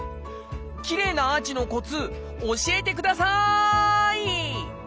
きれいなアーチのコツ教えてください！